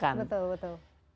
kenapa ya betul betul